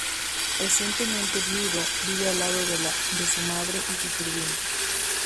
Recientemente viudo, vive al lado de su madre y su sirvienta.